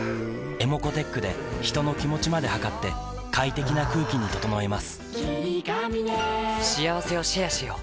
ｅｍｏｃｏーｔｅｃｈで人の気持ちまで測って快適な空気に整えます